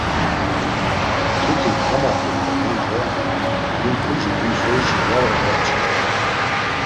Mtuti kamaxt̆uǩo mandre him puci him soyişi var oǩvaç̌irden.